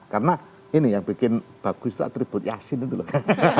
karena ini yang bikin bagus itu atribut yasin itu loh